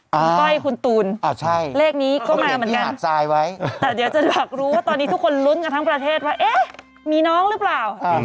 คุณก้อยคุณตูนเลขนี้ก็มาเหมือนกันแต่เดี๋ยวจะอยากรู้ว่าตอนนี้ทุกคนลุ้นกันทั้งประเทศว่าเอ๊ะมีน้องหรือเปล่า